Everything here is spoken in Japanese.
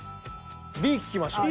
Ｂ聞きましょ。